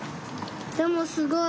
でもすごい。